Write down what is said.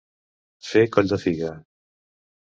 Fer coll de figa.